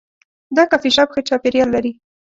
دا کافي شاپ ښه چاپیریال لري.